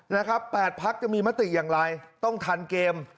นะครับ๘พักจะมีมติอย่างไรต้องทันเกม